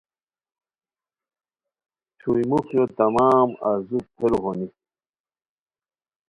چھوئی موخیو تمام آرزو پھیرو ہونی